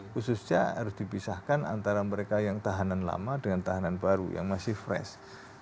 khususnya harus dipisahkan antara mereka yang tahanan lama dengan tahanan baru yang masih fresh